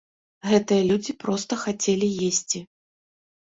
Гэтыя людзі проста хацелі есці.